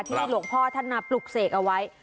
หลวงพ่อท่านมาปลุกเสกเอาไว้